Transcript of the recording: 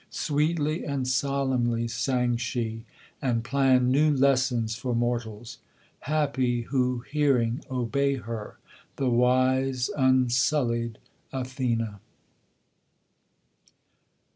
Sweetly and solemnly sang she, and planned new lessons for mortals: Happy, who hearing obey her, the wise unsullied Athene.